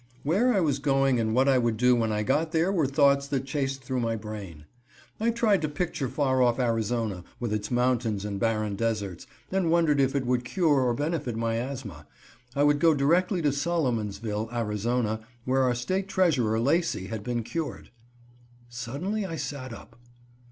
Where I was going and what I would do when I got there were thoughts that chased through my brain. I tried to picture far off Arizona, with its mountains and barren deserts, and wondered if it would cure or benefit my asthma I would go direct to Solomonsville, Arizona, where our State Treasurer, Lacy, had been cured. Suddenly I sat up.